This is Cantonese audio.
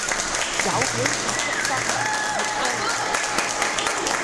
有表現出雙糧，越多越好!